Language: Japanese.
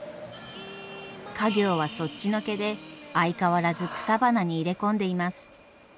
家業はそっちのけで相変わらず草花に入れ込んでいます。